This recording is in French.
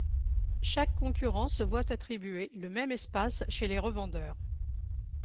Chaque concurrent se voit attribuer le même espace chez les revendeurs.